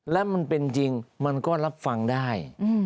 และมันเป็นจริงมันก็รับฟังได้